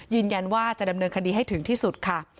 ยืนยันว่าจะดำเนินคดีให้ถึงที่สุดค่ะ